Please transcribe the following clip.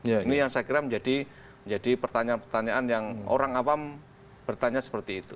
ini yang saya kira menjadi pertanyaan pertanyaan yang orang awam bertanya seperti itu